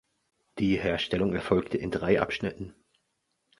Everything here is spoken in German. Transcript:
Die Herstellung erfolgte in drei Abschnitten.